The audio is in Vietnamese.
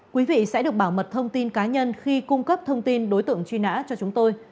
quý vị sẽ được bảo mật thông tin cá nhân khi cung cấp thông tin đối tượng truy nã cho chúng tôi